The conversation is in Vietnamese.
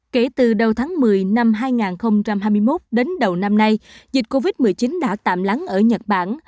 kể từ đầu tháng một mươi năm hai nghìn hai mươi một đến đầu năm nay dịch covid một mươi chín đã tạm lắng ở nhật bản